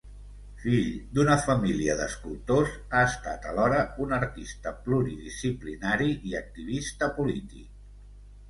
Fill d'una família d'escultors, ha estat alhora un artista pluridisciplinari i activista polític.